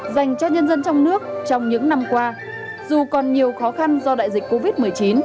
dành cho nhân dân trong nước trong những năm qua dù còn nhiều khó khăn do đại dịch covid một mươi chín